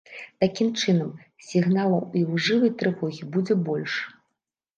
Такім чынам, сігналаў ілжывай трывогі будзе больш.